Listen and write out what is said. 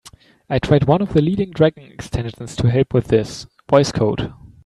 I tried one of the leading Dragon extensions to help with this, Voice Code.